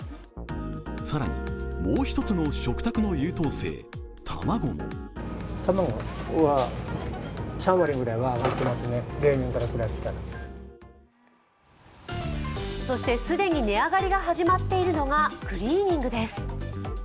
更にもう一つの食卓の優等生・卵もそして既に値上がりが始まっているのがクリーニングです。